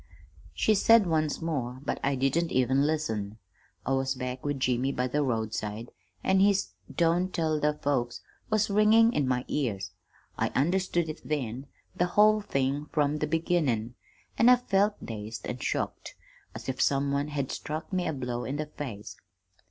"She said more, but I didn't even listen. I was back with Jimmy by the roadside, and his 'Don't tell the folks' was ringin' in my ears. I understood it then, the whole thing from the beginnin'; an' I felt dazed an' shocked, as if some one had struck me a blow in the face.